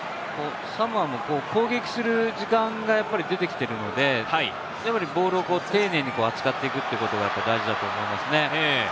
サモアも攻撃する時間が出てきているので、ボールを丁寧に扱っていくということが大事だと思いますね。